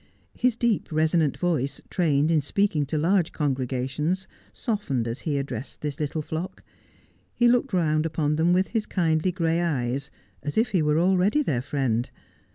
His deep, resonant voice, trained in speaking to large congregations, softened as he addressed this little flock. He looked round upon them with his kindly gray eyes, as if he were already their friend.